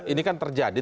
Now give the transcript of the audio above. ini kan terjadi